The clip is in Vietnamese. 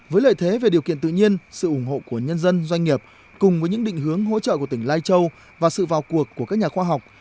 với lợi thế về điều kiện tự nhiên sự ủng hộ của nhân dân doanh nghiệp cùng với những định hướng hỗ trợ của tỉnh lai châu và sự vào cuộc của các nhà khoa học